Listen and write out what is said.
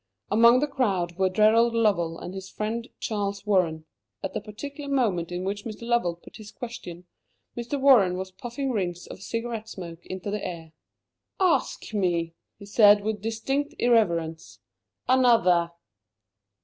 Among the crowd were Gerald Lovell and his friend Charles Warren. At the particular moment in which Mr. Lovell put his question, Mr. Warren was puffing rings of cigarette smoke into the air. "Ask me," he said, with distinct irreverence, "another."